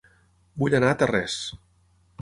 Vull anar a Tarrés